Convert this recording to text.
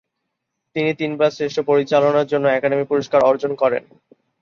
তিনি তিনবার শ্রেষ্ঠ পরিচালনার জন্য একাডেমি পুরস্কার অর্জন করেন।